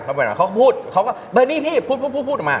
เขาก็พูดเบอร์นี้พี่พูดพูดออกมา